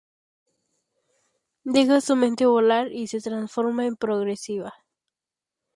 Dejas tu mente volar y se transforma en progresiva!